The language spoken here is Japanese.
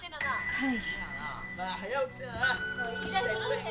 はい。